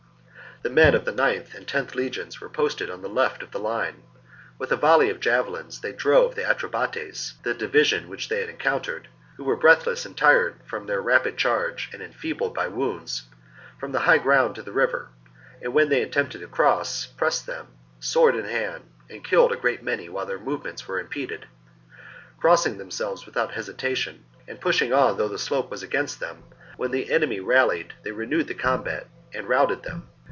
23. The men of the 9th and loth legions were posted on the left of the line. With a volley of javelins they drove the Atrebates — the division II AGAINST THE BELGAE 6> which they had encountered — who were breath 57 k less and tired from their rapid charge and en feebled by wounds, from the high ground to the river, and when they attempted to cross, pressed after them sword in hand, and killed a great many while their movements were impeded. Crossing themselves without hesitation, and pushing on though the slope was against them, when the enemy rallied they renewed the combat and routed them.